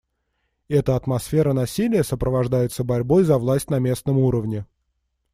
Эта атмосфера насилия сопровождается борьбой за власть на местном уровне.